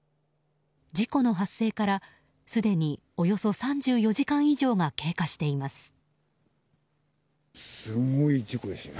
事故の発生からすでにおよそ３４時間以上が経過しています。